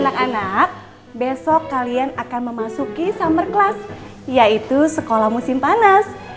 anak anak besok kalian akan memasuki summer class yaitu sekolah musim panas